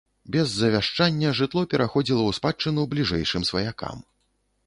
Без завяшчання жытло пераходзіла ў спадчыну бліжэйшым сваякам.